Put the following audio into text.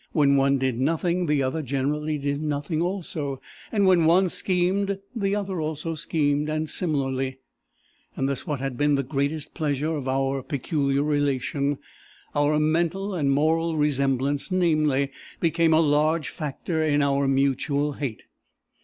When one did nothing, the other generally did nothing also, and when one schemed, the other also schemed, and similarly. Thus what had been the greatest pleasure of our peculiar relation, our mental and moral resemblance, namely, became a large factor in our mutual hate.